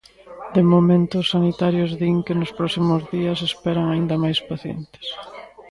De momento, os sanitarios din que nos próximos días esperan aínda máis pacientes.